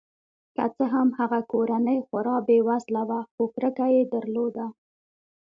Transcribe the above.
که څه هم هغه کورنۍ خورا بې وزله وه خو کرکه یې درلوده.